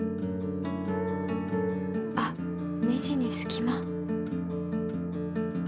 あっネジにすき間。